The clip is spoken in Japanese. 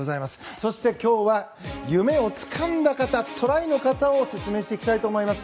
そして、今日は夢をつかんだ方トライの方を説明していきたいと思います。